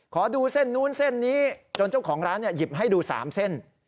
ขอดูเส้นนู้นเส้นนี้จนเจ้าของร้านหยิบให้ดู๓เส้น